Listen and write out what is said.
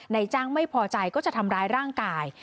ในจ้างไม่พอใจก็จะทำร้ายร่างกาย